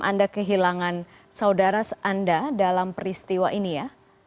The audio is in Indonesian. anda kehilangan saudara anda dalam peristiwa ini ya